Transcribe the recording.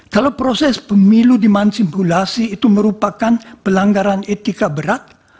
kalau proses pemilu dimansimulasi itu merupakan pelanggaran etika berat